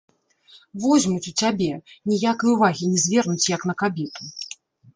Возьмуць у цябе, ніякае ўвагі не звернуць як на кабету.